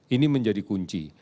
ini menjadi kunci